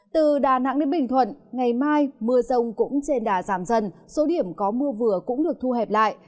từ đà nẵng đến bình thuận ngày mai mưa rông cũng trên đà giảm dần số điểm có mưa vừa cũng được thu hẹp lại